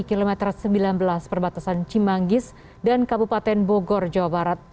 kilometer sembilan belas perbatasan cimanggis dan kabupaten bogor jawa barat